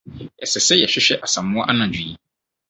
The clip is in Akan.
Ɛsɛ sɛ yɛhwehwɛ Asamoa anadwo yi.